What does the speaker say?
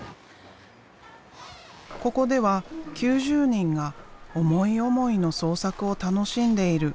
ここでは９０人が思い思いの創作を楽しんでいる。